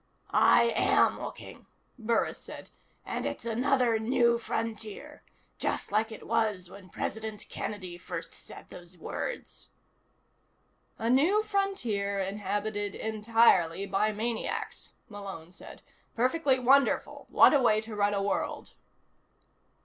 "I am looking," Burris said. "And it's another New Frontier. Just like it was when President Kennedy first said those words." "A New Frontier inhabited entirely by maniacs," Malone said. "Perfectly wonderful. What a way to run a world."